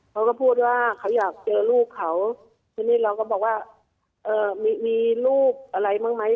เขาก็พูดว่าเขาอยากเจอลูกเขาทีนี้เราก็บอกว่ามีลูกอะไรบ้างไหม